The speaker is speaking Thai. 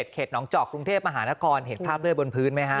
เข็ดหนองจอกกรุงเทพมหานกรเห็นภาพเลือดบนพื้นไหมครับ